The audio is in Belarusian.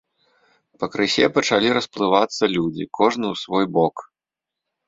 Пакрысе пачалі расплывацца людзі, кожны ў свой бок.